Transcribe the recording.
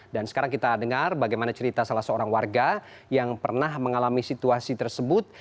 dan sekarang kita dengar bagaimana cerita salah seorang warga yang pernah mengalami situasi tersebut